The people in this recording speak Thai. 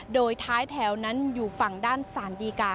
โดยท้ายแถวนั้นอยู่ฝั่งด้านสารดีกา